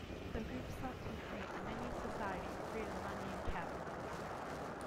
The group sought to create a mini-society free of money and capitalism.